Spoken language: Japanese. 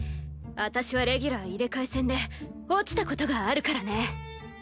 私はレギュラー入れ替え戦で落ちたことがあるからね。